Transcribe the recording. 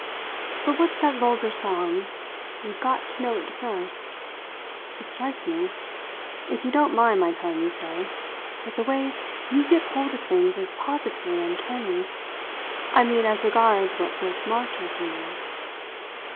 But what's that vulgar song? 'You've got to know it first!' It strikes me, if you don't mind my telling you so, that the way you get hold of things is positively uncanny. I mean as regards what first marked her for you."